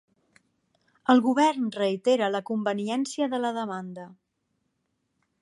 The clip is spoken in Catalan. El govern reitera la conveniència de la demanda